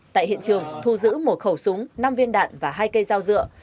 tại hiện trường thu giữ một khẩu súng năm viên đạn và hai cây dao dựa